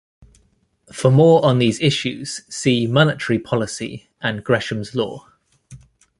For more on these issues, see Monetary policy and Gresham's Law.